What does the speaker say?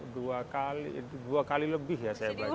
dua kali dua kali lebih ya saya baca